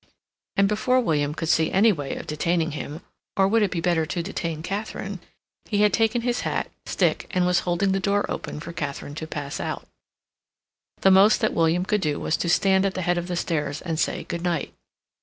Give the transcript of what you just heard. And before William could see any way of detaining him—or would it be better to detain Katharine?—he had taken his hat, stick, and was holding the door open for Katharine to pass out. The most that William could do was to stand at the head of the stairs and say good night.